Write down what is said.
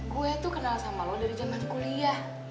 gue tuh kenal sama lo dari zaman kuliah